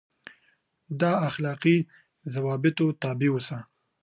دا اخلاقي ضوابطو تابع اوسي.